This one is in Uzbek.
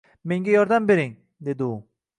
Menga yordam bering, — dedi u, —